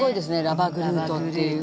ラバグルートっていう。